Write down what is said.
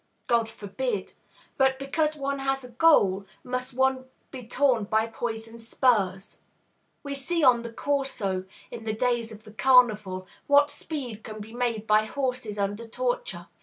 God forbid. But, because one has a goal, must one be torn by poisoned spurs? We see on the Corso, in the days of the Carnival, what speed can be made by horses under torture.